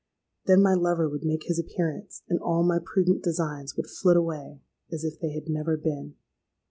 Then my lover would make his appearance; and all my prudent designs would flit away as if they had never been.